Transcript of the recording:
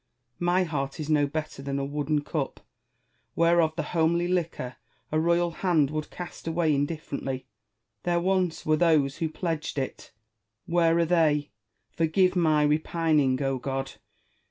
My heart is no better than a wooden cup, whereof the homely liquor a royal hand would cast away indifferently. There once were those who pledged it ! where are they ? Forgive my repining, O God